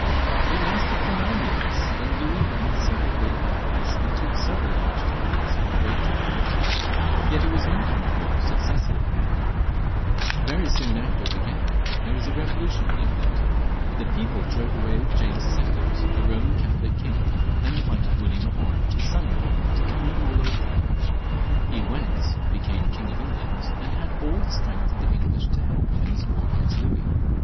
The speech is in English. It lasted for nine years, and Louis won several great battles, and took several large towns, with great difficulty ; yet it was not on the whole successful for him. XLV.1 LOUIS XIV. 351 :^ i ':__^ Very soon after it began there was a revolution in Eng land : the people drove away James IL, their Eoman Catholic king, ancl invited William of Orange, his son in law, to come and rule over them. He went, became King of England, and had all the strength of the English to help him in his war against Louis.